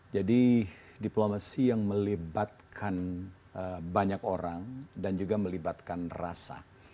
jadi diplomasi yang melibatkan banyak orang dan juga melibatkan rasa